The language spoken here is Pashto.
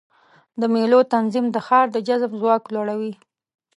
د مېلو تنظیم د ښار د جذب ځواک لوړوي.